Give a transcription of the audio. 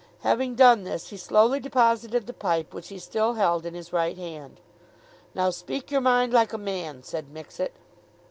Having done this he slowly deposited the pipe which he still held in his right hand. "Now speak your mind, like a man," said Mixet.